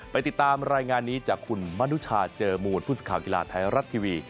ไปติดตามรายงานนี้จากคุณมนุชาเจอมูลผู้สื่อข่าวกีฬาไทยรัฐทีวี